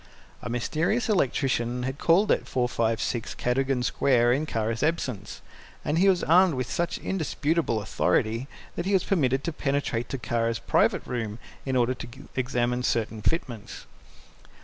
A mysterious electrician had called at 456 Cadogan Square in Kara's absence, and he was armed with such indisputable authority that he was permitted to penetrate to Kara's private room, in order to examine certain fitments.